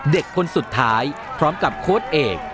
เด็กคนสุดท้ายพร้อมกับโค้ดเอก